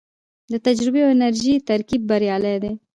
د تجربې او انرژۍ ترکیب بریالی دی